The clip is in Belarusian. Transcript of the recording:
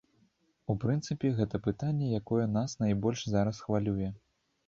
У прынцыпе, гэта пытанне, якое нас найбольш зараз хвалюе.